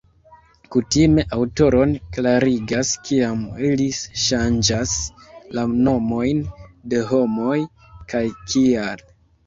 Kutime aŭtoroj klarigas kiam ili ŝanĝas la nomojn de homoj kaj kial.